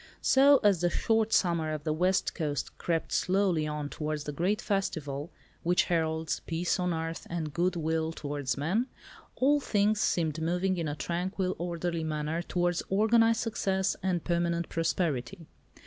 So, as the short summer of the West Coast crept slowly on towards the "great Festival" which heralds "Peace on Earth, and good will towards men," all things seemed moving in a tranquil orderly manner towards organised success and permanent prosperity.